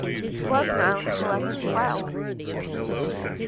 It was now however twelve.